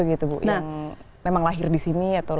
yang memang lahir di sini